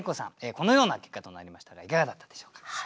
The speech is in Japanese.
このような結果となりましたがいかがだったでしょうか？